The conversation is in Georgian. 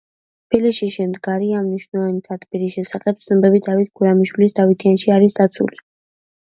თბილისში შემდგარი ამ მნიშვნელოვანი თათბირის შესახებ ცნობები დავით გურამიშვილის „დავითიანში“ არის დაცული.